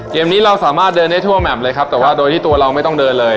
เกมนี้เราสามารถเดินได้ทั่วแมมเลยครับแต่ว่าโดยที่ตัวเราไม่ต้องเดินเลย